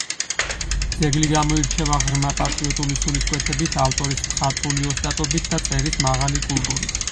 ძეგლი გამოირჩევა ღრმა პატრიოტული სულისკვეთებით, ავტორის მხატვრული ოსტატობით და წერის მაღალი კულტურით.